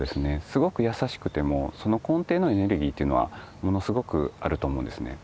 すごく優しくてもその根底のエネルギーというのはものすごくあると思うんですね。